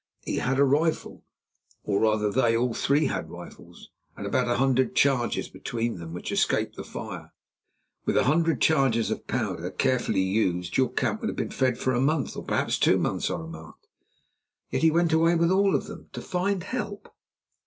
"He had a rifle, or rather they all three had rifles, and about a hundred charges between them, which escaped the fire." "With a hundred charges of powder carefully used your camp would have been fed for a month, or perhaps two months," I remarked. "Yet he went away with all of them—to find help?"